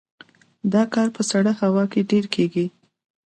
دا کار په سړه هوا کې ډیر کیږي